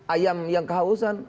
ayam yang kehausan